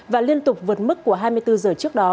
và liên tục vượt mức của hai mươi bốn giờ trước đó